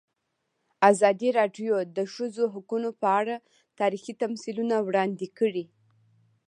ازادي راډیو د د ښځو حقونه په اړه تاریخي تمثیلونه وړاندې کړي.